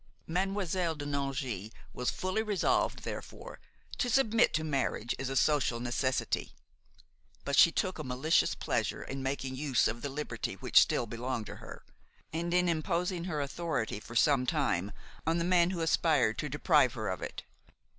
Mademoiselle de Nangy was fully resolved, therefore, to submit to marriage as a social necessity; but she took a malicious pleasure in making use of the liberty which still belonged to her, and in imposing her authority for some time on the man who aspired to deprive her of it.